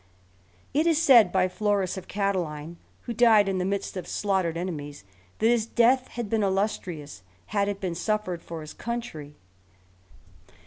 It is said by Florus of Catiline, who died in the midst of slaughtered enemies, that his death had been illustrious^ had it been suffered for his country.